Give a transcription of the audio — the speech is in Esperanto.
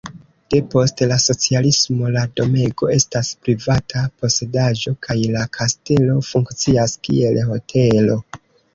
Depost la socialismo la domego estas privata posedaĵo kaj la kastelo funkcias kiel hotelo.